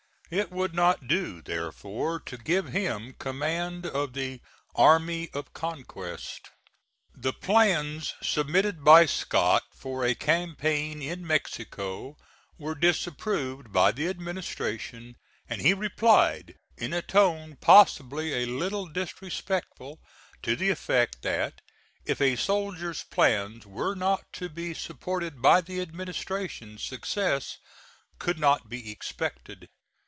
It would not do therefore to give him command of the "army of conquest." The plans submitted by Scott for a campaign in Mexico were disapproved by the administration, and he replied, in a tone possibly a little disrespectful, to the effect that, if a soldier's plans were not to be supported by the administration, success could not be expected.